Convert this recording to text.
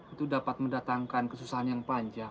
itu dapat mendatangkan kesusahan yang panjang